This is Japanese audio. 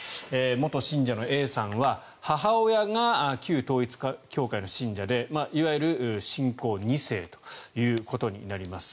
元信者のＡさんは母親が旧統一教会の信者でいわゆる信仰２世ということになります。